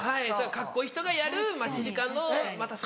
カッコいい人がやる待ち時間の待たせ方。